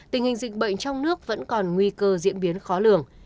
tình hình dịch bệnh trong nước vẫn còn nguy cơ diễn biến khó lường